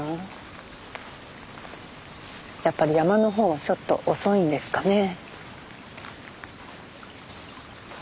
やっぱり山の方はちょっと遅いんですかね？